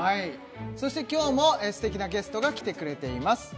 そして今日も素敵なゲストが来てくれています